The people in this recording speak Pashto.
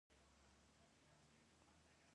مینه رانده ده او کینه ړنده ده.